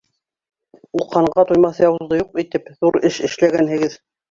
Ул ҡанға туймаҫ яуызды юҡ итеп, ҙур эш эшләгәнһегеҙ.